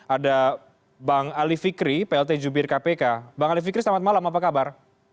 ada bang ali fikri plt jubir kpk bang ali fikri selamat malam apa kabar